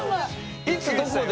いつどこで？